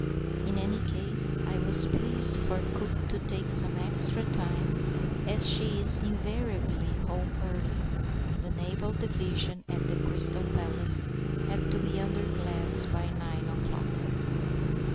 In any case, I was pleased for cook to take some extra time, as she is invariably home early—the Naval Division at the Crystal Palace have to be under glass by nine o'clock.